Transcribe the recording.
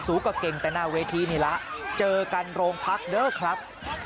สูงก็เก่งแต่หน้าเวทีนี่แหละเจอกันโรงพักเด้อครับ